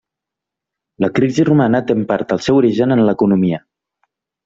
La crisi romana té en part el seu origen en l'economia.